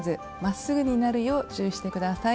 まっすぐになるよう注意して下さい。